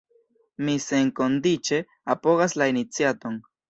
Mi senkondiĉe apogas la iniciaton.